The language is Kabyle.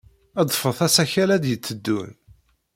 Ḍḍfet asakal ay d-yetteddun.